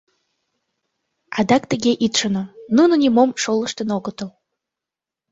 Адак тыге ит шоно: нуно нимом шолыштын огытыл.